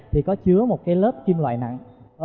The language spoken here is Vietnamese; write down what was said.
thì có chứa một cái lớp kim loại nặng